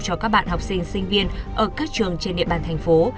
cho các bạn học sinh sinh viên ở các trường trên địa bàn thành phố